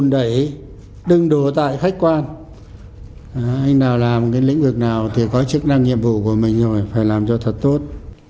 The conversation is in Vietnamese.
đùa đẩy đừng đùa tại khách quan anh nào làm cái lĩnh vực nào thì có chức năng nhiệm vụ của mình rồi phải làm cho thật tốt